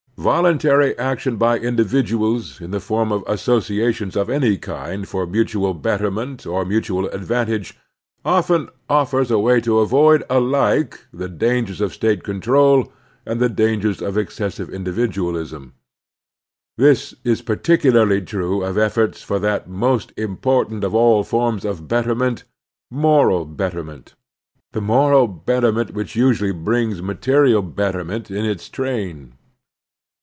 Voluntary action by individuals in the form of associations of any kind for mutual betterment or mutual advantage often offers a way to avoid alike the dangers of State control and the dangers of excessive individualism. This is particularly true of efforts for that most important of all forms of betterment, moral betterment — the moral bet terment which usually brings material betterment in its train.